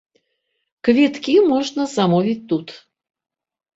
Квіткі можна замовіць тут.